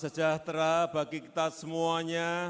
sejahtera bagi kita semuanya